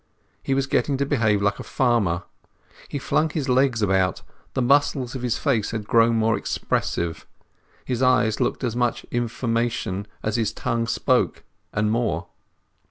He was getting to behave like a farmer; he flung his legs about; the muscles of his face had grown more expressive; his eyes looked as much information as his tongue spoke, and more.